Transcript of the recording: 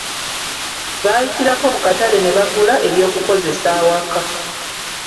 Baayitirako mu katale ne bagula eby'okukozesa awaka.